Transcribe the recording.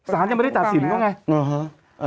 สารยังไม่ได้ตัดสินเขาไง